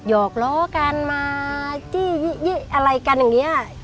หอกล้อกันมาจี้ยิอะไรกันอย่างนี้